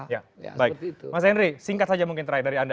ya baik mas henry singkat saja mungkin terakhir dari anda